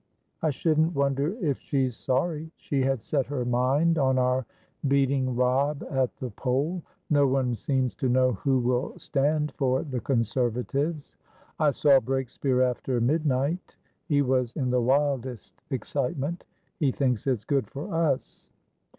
"I shouldn't wonder if she's sorry. She had set her mind on our beating Robb at the poll. No one seems to know who will stand for the Conservatives. I saw Breakspeare after midnight; he was in the wildest excitement. He thinks it's good for us."